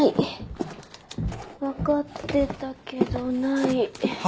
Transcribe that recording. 分かってたけどない。